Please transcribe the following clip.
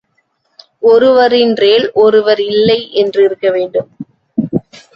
ஒருவரின்றேல் ஒருவர் இல்லை என்றிருக்க வேண்டும்.